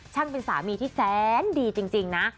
เป็นสามีที่แสนดีจริงนะ